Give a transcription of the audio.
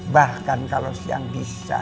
bahkan kalau siang bisa